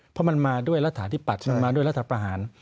เพราะมันมาด้วยรัฐาธิปัตย์มันมาด้วยรัฐประหาร